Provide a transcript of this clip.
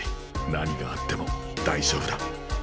何があっても大丈夫だ。